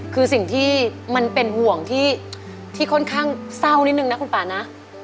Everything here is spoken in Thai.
คือสิ่งที่มันเป็นห่วงที่ค่อนข้างเศร้านิดนึงนะคุณป่านะ